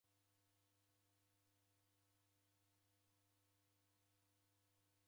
Agha ni matuku gha kutua mbai